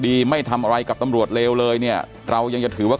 ไม่ทำอะไรกับตำรวจเลวเลยเนี่ยเรายังจะถือว่า